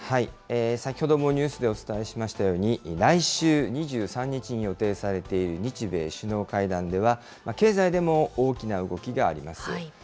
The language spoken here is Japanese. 先ほどもニュースでお伝えしましたように、来週２３日に予定されている日米首脳会談では、経済でも大きな動きがあります。